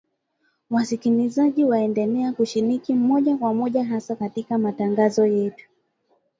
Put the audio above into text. Wasikilizaji waendelea kushiriki moja kwa moja hasa katika matangazo yetu